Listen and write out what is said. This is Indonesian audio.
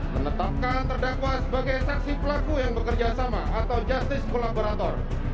menetapkan terdakwa sebagai saksi pelaku yang bekerjasama atau justice collaborator